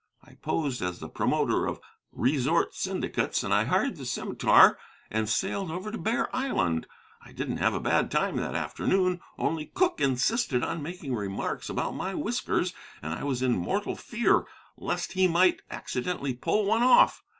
I posed as the promoter of resort syndicates, and I hired the Scimitar and sailed over to Bear Island; and I didn't have a bad time that afternoon, only Cooke insisted on making remarks about my whiskers, and I was in mortal fear lest he might accidentally pull one off.